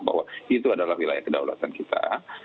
bahwa itu adalah wilayah kedaulatan kita